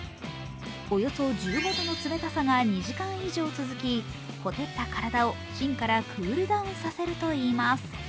およそ１５度の冷たさが２時間以上続きほてった体を芯からクールダウンさせるといいます。